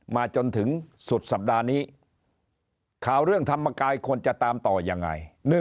มาจนถึงสุดสัปดาห์นี้ข่าวเรื่องธรรมกายควรจะตามต่อยังไง